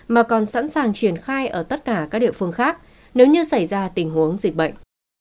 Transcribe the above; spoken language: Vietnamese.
mà còn sẵn sàng triển khai ở tất cả các địa phương khác nếu như xảy ra tình huống dịch bệnh